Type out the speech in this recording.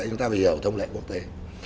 chúng ta phải hiểu thông lệ quốc tế